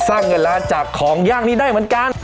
เงินล้านจากของย่างนี้ได้เหมือนกัน